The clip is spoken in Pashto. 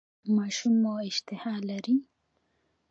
ماشوم مو اشتها لري؟